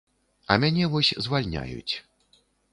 А мяне вось звальняюць.